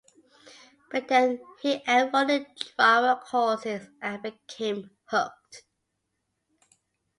But then he enrolled in drama courses - and became hooked.